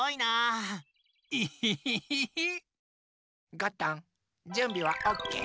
ゴットンじゅんびはオッケー？